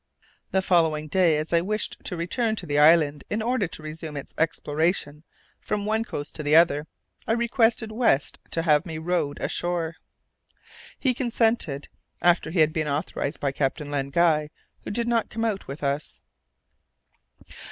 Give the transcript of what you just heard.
The following day, as I wished to return to the island in order to resume its exploration from one coast to the other, I requested West to have me rowed ashore. He consented, after he had been authorized by Captain Len Guy, who did not come with us.